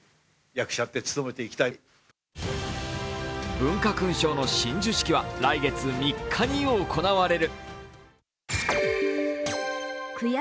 文化勲章の親授式は来月３日に行われる。